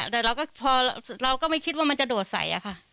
แต่เราก็พอเราก็ไม่คิดว่ามันจะโดดใส่อะค่ะ